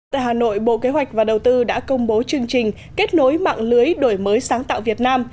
tại hà nội bộ kế hoạch và đầu tư đã công bố chương trình kết nối mạng lưới đổi mới sáng tạo việt nam